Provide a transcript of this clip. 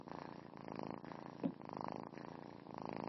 kukamatwa kwa asanch kulibadili upepo wa dunia kwa upande wa habari